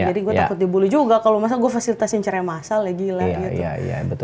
jadi gue takut dibully juga kalo gue fasilitasi cerainya masalah ya gila gitu